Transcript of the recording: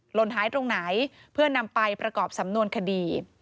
หนหายตรงไหนเพื่อนำไปประกอบสำนวนคดี